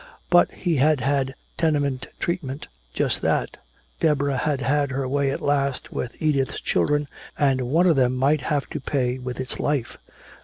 But he had had tenement treatment, just that! Deborah had had her way at last with Edith's children, and one of them might have to pay with its life!